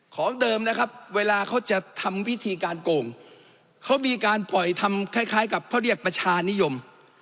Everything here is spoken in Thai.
ของเดิมนะครับเวลาเขาจะทำวิธีการโกงเขามีการปล่อยทำคล้ายกับเขาเรียกประชานิยม